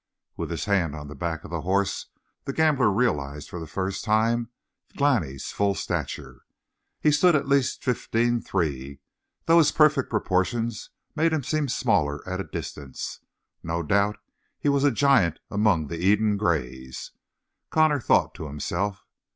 With his hand on the back of the horse, the gambler realized for the first time Glani's full stature. He stood at least fifteen three, though his perfect proportions made him seem smaller at a distance. No doubt he was a giant among the Eden Grays, Connor thought to himself.